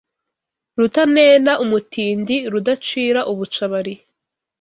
Rutanena umutindi rudacira ubucabari